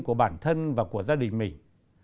của bản thân và của gia đình mình